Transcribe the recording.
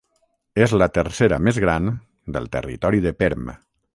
És la tercera més gran del territori de Perm.